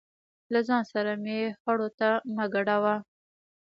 له ځان سره مې خړو ته مه ګډوه.